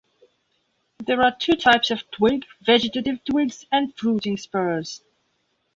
There are two types of twig, vegetative twigs and fruiting spurs.